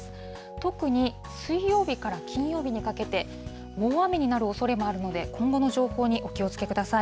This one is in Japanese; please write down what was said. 特に水曜日から金曜日にかけて、大雨になるおそれもあるので、今後の情報にお気をつけください。